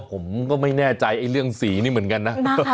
ผมก็ไม่แน่ใจเรื่องสีนี่เหมือนกันนะ